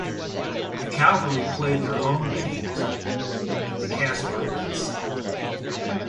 The Cavalry played their home games at the Casper Events Center.